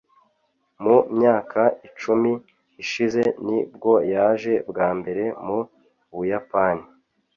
Mu myaka icumi ishize ni bwo yaje bwa mbere mu Buyapani